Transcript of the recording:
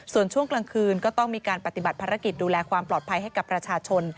ส่วนช่วงกลางคืนก็ต้องมีการปฏิบัติภารกิจดูแลความปลอดภัยให้กับประชาชน